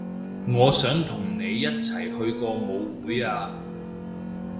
我想同你一齊去個舞會啊